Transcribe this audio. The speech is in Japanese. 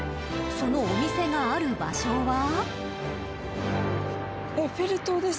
［そのお店がある場所は？］